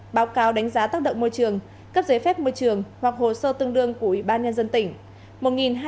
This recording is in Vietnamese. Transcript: báo cáo đánh giá tác động môi trường cấp giấy phép môi trường hoặc hồ sơ tương đương của ủy ban nhân dân tỉnh